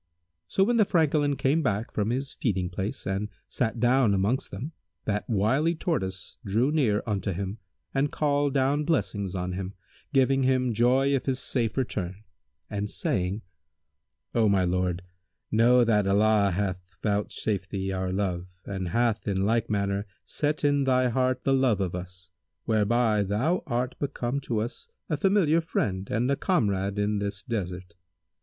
So, when the Francolin came back from his feeding place and sat down amongst them, that wily Tortoise drew near unto him and called down blessings on him, giving him joy of his safe return and saying, "O my lord, know that Allah hath vouch safed thee our love and hath in like manner set in thy heart the love of us, whereby thou art become to us a familiar friend and a comrade in this desert.